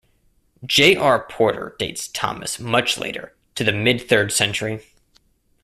J. R. Porter dates Thomas much later, to the mid-third century.